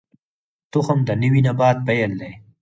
تخم د نوي نبات پیل دی